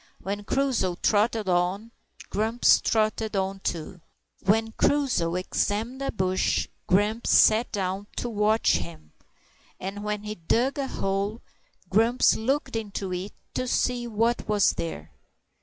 When Crusoe trotted on, Grumps trotted on too. When Crusoe examined a bush, Grumps sat down to watch him; and when he dug a hole, Grumps looked into it to see what was there.